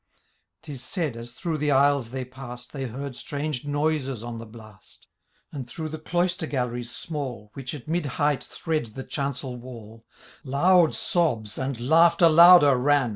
*TiB said, as through the aisles they passed. They heard strange noises on the blast ; And through the cloister galleries small. Which at mid height thread the chancel wall, Loud sobs, and laughter louder, ran.